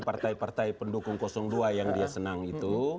partai partai pendukung dua yang dia senang itu